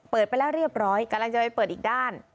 เปิดไปแล้วเรียบร้อยกำลังจะไปเปิดอีกด้าน